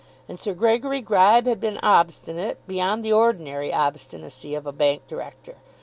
And Sir Gregory Gribe had been obstinate, beyond the ordinary obstinacy of a bank director.